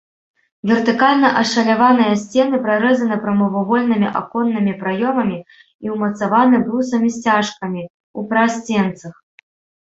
Вертыкальна ашаляваныя сцены прарэзаны прамавугольнымі аконнымі праёмамі і ўмацаваны брусамі-сцяжкамі ў прасценках.